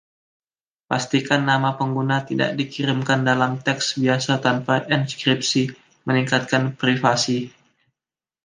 Pastikan nama pengguna tidak dikirimkan dalam teks biasa tanpa enkripsi, meningkatkan privasi.